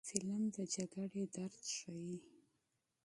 فلم د جګړې درد ښيي